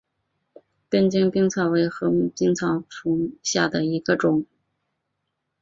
根茎冰草为禾本科冰草属下的一个种。